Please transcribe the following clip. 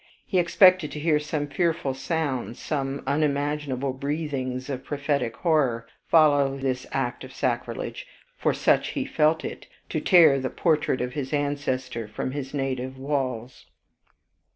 He expected to hear some fearful sounds, some unimaginable breathings of prophetic horror, follow this act of sacrilege, for such he felt it, to tear the portrait of his ancestor from his native walls.